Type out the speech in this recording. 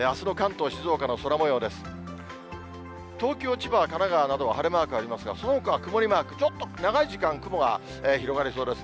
東京、千葉、神奈川などは晴れマークがありますが、そのほかは曇りマーク、ちょっと長い時間、雲が広がりそうです。